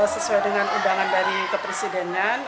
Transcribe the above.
sesuai dengan undangan dari kepresidenan